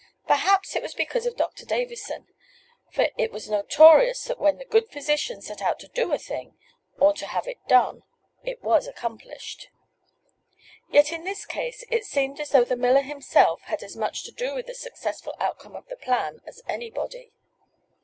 Perhaps it was because of Doctor Davison, for it was notorious that when the good physician set out to do a thing, or to have it done, it was accomplished. Yet in this case it seemed as though the miller himself had as much to do with the successful outcome of the plan as anybody.